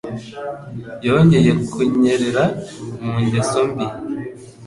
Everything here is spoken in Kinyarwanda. Yongeye kunyerera mu ngeso mbi.